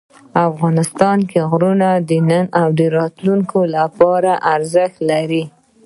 افغانستان کې غرونه د نن او راتلونکي لپاره ارزښت لري.